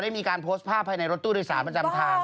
มีการโพสต์ภาพภายในรถตู้โดยสารประจำทาง